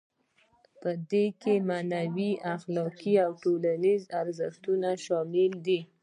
په دې کې معنوي، اخلاقي او ټولنیز ارزښتونه شامل دي.